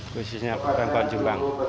khususnya pemkot jombang